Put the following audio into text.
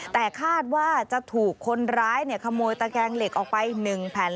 แต่คาดว่าจะถูกคนร้ายขโมยตะแกงเหล็กออกไป๑แผ่น